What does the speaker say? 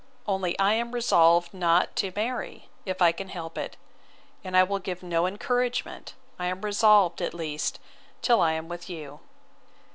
—Only I am resolved not to marry, if I can help it; and I will give no encouragement, I am resolved, at least, till I am with you.